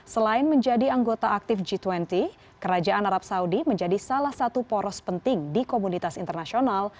selain menjadi anggota aktif g dua puluh kerajaan arab saudi menjadi salah satu poros penting di komunitas internasional